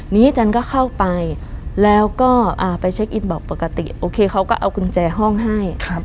นี้จันก็เข้าไปแล้วก็อ่าไปเช็คอินบอกปกติโอเคเขาก็เอากุญแจห้องให้ครับ